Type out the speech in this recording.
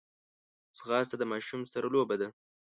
ځغاسته د ماشوم سره لوبه ده